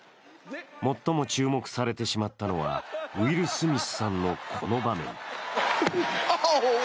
最も注目されてしまったのはウィル・スミスさんのこの場面。